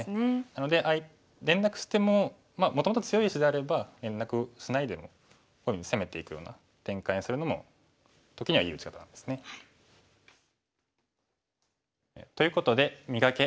なので連絡してももともと強い石であれば連絡しないでもこういうふうに攻めていくような展開にするのも時にはいい打ち方なんですね。ということで「磨け！